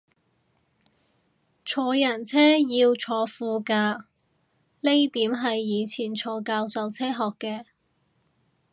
坐人車要坐副駕呢點係以前坐教授車學嘅